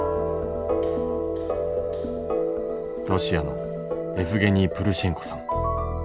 ロシアのエフゲニー・プルシェンコさん。